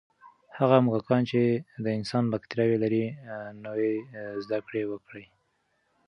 هغه موږکان چې د انسان بکتریاوې لري، نوې زده کړې وکړې.